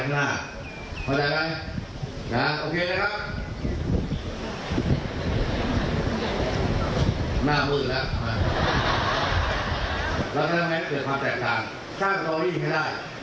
หน้ามืดแล้วแล้วจะได้ไงจะเกิดความจัดการสร้างตัววี่ให้ได้